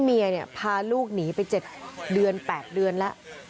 แม่เนี่ยพาลูกหนีไปเจ็บเดือนแปดเดือนละ